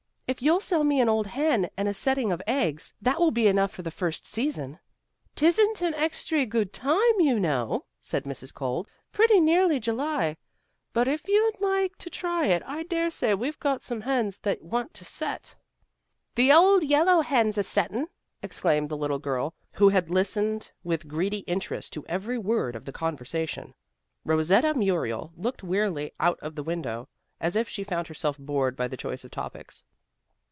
"If you'll sell me an old hen and a setting of eggs, that will be enough for the first season." "'Tisn't an extry good time, you know," said Mrs. Cole. "Pretty near July. But, if you'd like to try it, I daresay we've got some hens that want to set." "The old yellow hen's a settin'," exclaimed the little girl who had listened with greedy interest to every word of the conversation. Rosetta Muriel looked wearily out of the window, as if she found herself bored by the choice of topics.